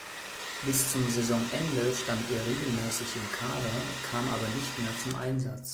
Bis zum Saisonende stand er regelmäßig im Kader, kam aber nicht mehr zum Einsatz.